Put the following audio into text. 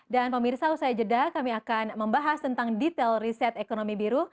dan pemirsa usai jeda kami akan membahas tentang detail riset ekonomi biru